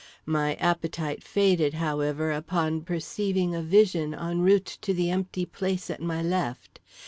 My appetite faded, however, upon perceiving a vision en route to the empty place at my left.